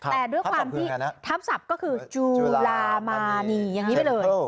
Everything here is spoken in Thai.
แต่ด้วยความที่ทับศัพท์ก็คือจูลามานี่อย่างนี้ไปเลย